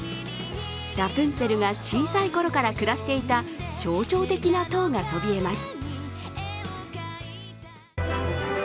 ラプンツェルが小さなころから暮らしていた象徴的な塔がそびえます。